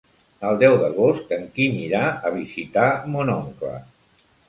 El deu d'agost en Quim irà a visitar mon oncle.